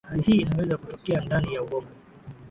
hali hii inaweza kutokea ndani ya ubongo